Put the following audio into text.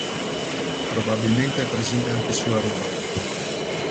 Probabilmente è presente anche su Aruba.